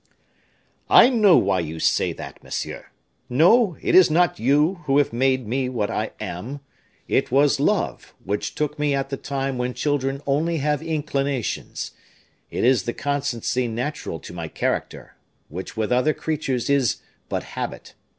"I know why you say that, monsieur. No, it is not you who have made me what I am; it was love, which took me at the time when children only have inclinations; it is the constancy natural to my character, which with other creatures is but habit.